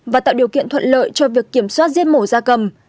và tạo điều kiện thuận lợi cho việc kiểm soát giết mổ da cầm